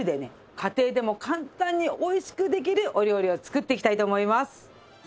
家庭でも簡単においしくできるお料理を作っていきたいと思います。